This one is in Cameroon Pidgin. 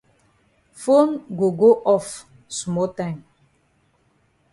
Fone go go off small time.